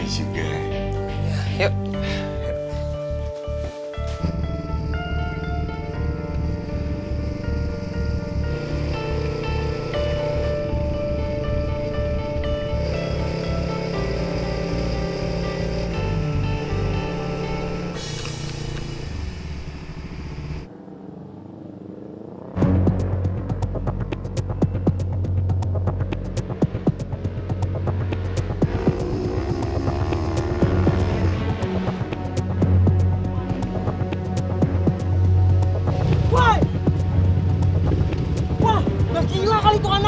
gimana sortiriat kalau lu